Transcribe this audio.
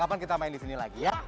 kapan kapan kita main disini lagi ya